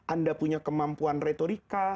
anda punya kemampuan retorika